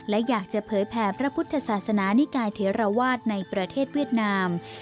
และอยากจะเผยแผ่พระพุทธศาสนานิกายเทราวาสในประเทศเวียดนาม